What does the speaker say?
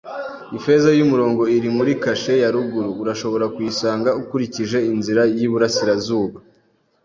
Ifeza yumurongo iri muri cache ya ruguru; urashobora kuyisanga ukurikije inzira y'iburasirazuba